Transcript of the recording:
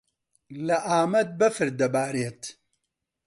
لە ئامەد بەفر دەبارێت.